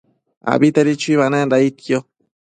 Abitedi chuibanenda aidquio